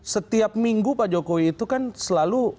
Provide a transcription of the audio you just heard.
setiap minggu pak jokowi itu kan selalu